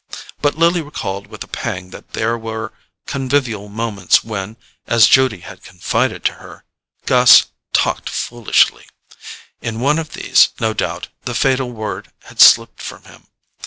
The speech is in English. But Lily recalled with a pang that there were convivial moments when, as Judy had confided to her, Gus "talked foolishly": in one of these, no doubt, the fatal word had slipped from him.